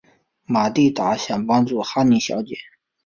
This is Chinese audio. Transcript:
玛蒂达想帮助哈妮小姐。